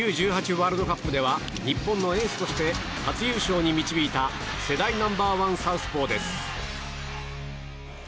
ワールドカップでは日本のエースとして初優勝に導いた世代ナンバーワンサウスポーです。